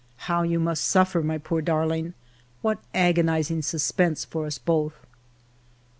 How you must suffer, my poor darling ! What agonizing sus pense for us both !".